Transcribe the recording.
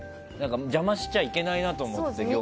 邪魔しちゃいけないなと思っていて。